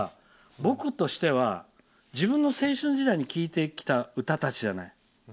僕としては、自分の青春時代に聴いてきた歌じゃない。